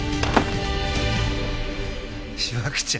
しわくちゃ。